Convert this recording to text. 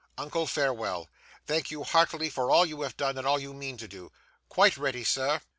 Uncle, farewell! Thank you heartily for all you have done and all you mean to do. Quite ready, sir!